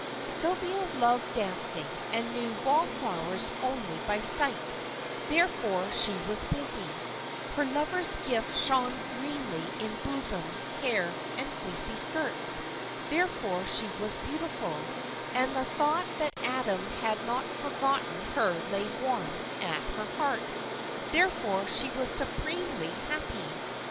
Sylvia loved dancing, and knew "wall flowers" only by sight; therefore she was busy; her lover's gift shone greenly in bosom, hair, and fleecy skirts; therefore she was beautiful, and the thought that Adam had not forgotten her lay warm at her heart; therefore she was supremely happy.